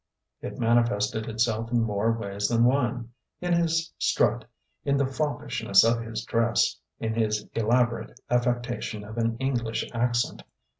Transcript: It manifested itself in more ways than one: in his strut, in the foppishness of his dress, in his elaborate affectation of an English accent.